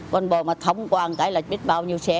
con bò mà thống qua một cái là biết bao nhiêu xe